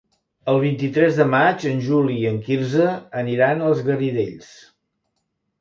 El vint-i-tres de maig en Juli i en Quirze aniran als Garidells.